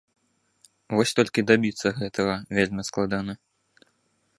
Вось толькі дабіцца гэтага вельмі складана.